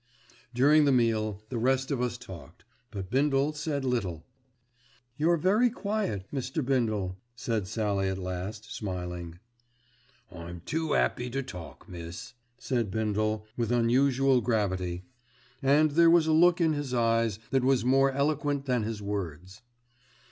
During the meal the rest of us talked; but Bindle said little. "You're very quiet, Mr. Bindle," said Sallie at last, smiling. "I'm too 'appy to talk, miss," said Bindle with unusual gravity, and there was a look in his eyes that was more eloquent than his words.